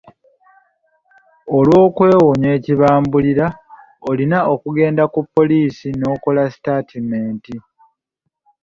Olw’okwewonya ekibabumbulira olina kugenda ku ppoliisi n’okola sitaatimenti.